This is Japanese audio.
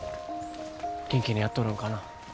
元気にやっとるんかな？